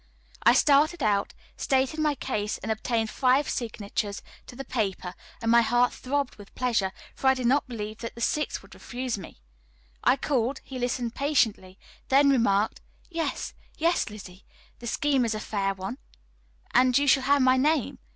I started out, stated my case, and obtained five signatures to the paper, and my heart throbbed with pleasure, for I did not believe that the sixth would refuse me. I called, he listened patiently, then remarked: "Yes, yes, Lizzie; the scheme is a fair one, and you shall have my name.